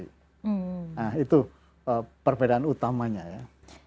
nah itu perbedaan utamanya ya